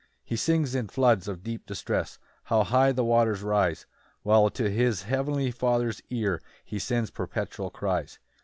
2 He sinks in floods of deep distress: How high the waters rise! While to his heavenly Father's ear He sends perpetual cries.